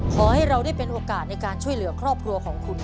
ขอให้เราได้เป็นโอกาสในการช่วยเหลือครอบครัวของคุณ